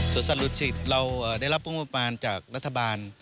ส่วนสัตุศิษย์เราได้รับงบประมาณจากรัฐบาล